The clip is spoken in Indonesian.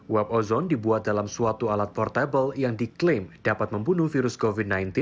web ozon dibuat dalam suatu alat portable yang diklaim dapat membunuh virus covid sembilan belas